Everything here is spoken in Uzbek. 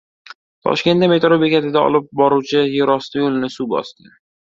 Toshkentda metro bekatiga olib boruvchi yerosti yo‘lini suv bosdi